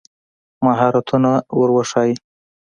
مهارتونه ور وښایي.